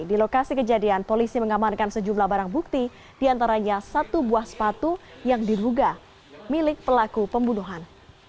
di lokasi kejadian polisi mengamankan sejumlah barang bukti diantaranya satu buah sepatu yang diduga milik pelaku pembunuhan